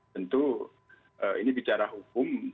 tentu ini bicara hukum